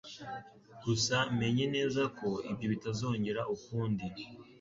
Gusa menya neza ko ibyo bitazongera ukundi.